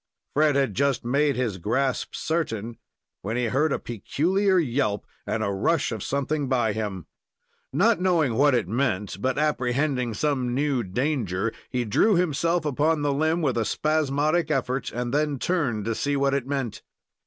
Fred had just made his grasp certain, when he heard a peculiar yelp, and a rush of something by him. Not knowing what it meant, but apprehending some new danger, he drew himself upon the limb with a spasmodic effort, and then turned to see what it meant.